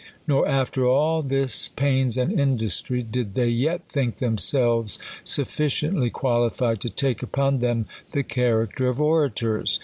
Nor, after all this pains and industry, did they yet think them selves sufficiently qualified to take upon them the char acter of orators.